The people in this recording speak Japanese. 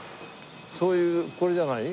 そういうこれじゃない？